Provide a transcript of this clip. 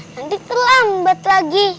nanti terlambat lagi